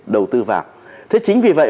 đầu tư vào thế chính vì vậy